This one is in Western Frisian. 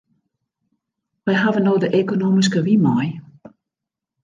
Wy hawwe no de ekonomyske wyn mei.